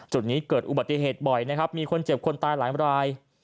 จุดนี้เกิดอุบัติเหตุบ่อยนะครับมีคนเจ็บคนตายหลายราย